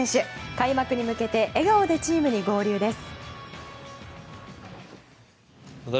開幕に向けて笑顔でチームに合流です。